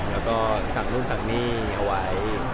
แล้วก็สั่งนู่นสั่งนี่เอาไว้